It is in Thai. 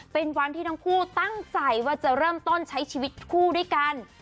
เป็นวันที่ทั้งคู่ตั้งใจว่าจะเริ่มต้นใช้ชีวิตคู่ด้วยกัน